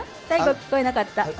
最後聞こえなかった。